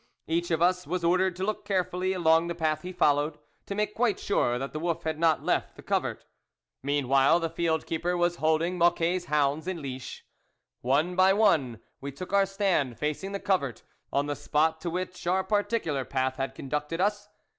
Each of us was ordered to look carefully along the path he followed, to make quite sure that the wolf had not left the covert. Mean while the field keeper was holding Moc quet's hounds in leash. One by one we took our stand facing the covert, on the spot to which our par ticular path had conducted us.